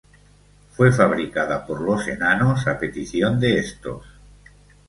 Fue fabricada por los enanos a petición de estos.